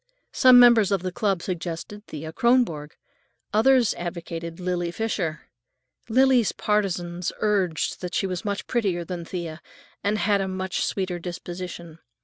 Some members of the club suggested Thea Kronborg, others advocated Lily Fisher. Lily's partisans urged that she was much prettier than Thea, and had a much "sweeter disposition."